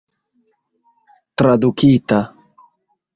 tradukita